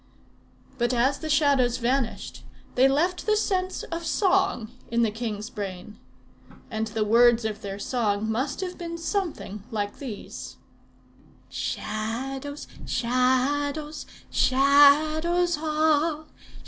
But as the Shadows vanished they left the sense of song in the king's brain. And the words of their song must have been something like these: "Shadows, Shadows, Shadows all!